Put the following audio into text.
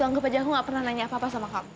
ganggup aja aku gak pernah nanya apa apa sama kamu